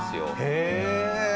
へえ。